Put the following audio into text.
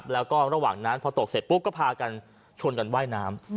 แล้วก็ระหว่างนั้นพอตกเสร็จปุ๊บก็พากันชวนกันว่ายน้ำ